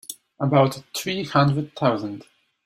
About three hundred thousand.